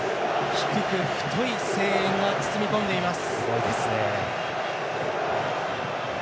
低く太い声援が包み込んでいます。